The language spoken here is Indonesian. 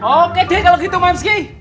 oke deh kalau gitu manski